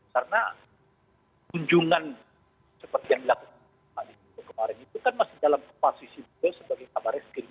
karena kunjungan seperti yang dilakukan pak demak kemarin itu kan masih dalam posisi sebagai kabar reskrim